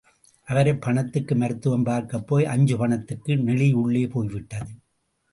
அரைப் பணத்துக்கு மருத்துவம் பார்க்கப் போய் அஞ்சு பணத்து நெளி உள்ளே போய்விட்டது.